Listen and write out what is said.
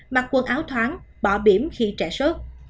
mặc quần áo thoáng bỏ biểm khi trẻ sốt